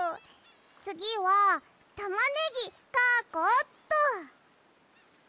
つぎはたまねぎかこうっと。